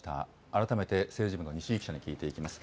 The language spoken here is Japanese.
改めて政治部の西井記者に聞いていきます。